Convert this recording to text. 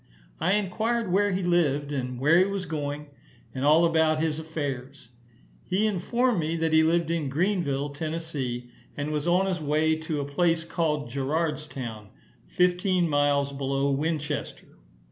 I inquired where he lived, and where he was going, and all about his affairs. He informed me that he lived in Greenville, Tennessee, and was on his way to a place called Gerardstown, fifteen miles below Winchester.